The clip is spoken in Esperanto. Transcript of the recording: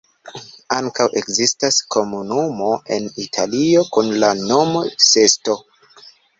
Ankaŭ ekzistas komunumo en Italio kun la nomo Sesto.